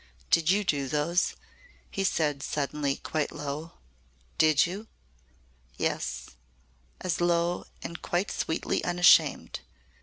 "Did you do those?" he said suddenly quite low. "Did you?" "Yes," as low and quite sweetly unashamed.